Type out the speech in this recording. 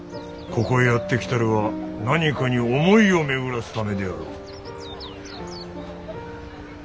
ここへやって来るは何かに思いを巡らすためであろう。